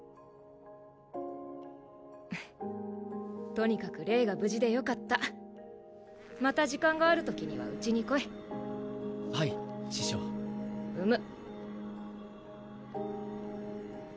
とにかくレイが無事でよかったまた時間があるときにはうちに来いはい師匠うむ